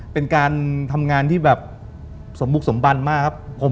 เป็นการทำงานที่แบบสมบุกสมบันมากครับ